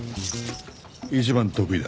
一番得意だ。